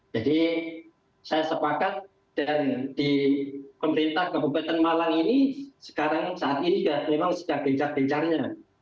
jadi saya sepakat dan di pemerintah kabupaten malang ini sekarang saat ini memang sudah bencang bencangnya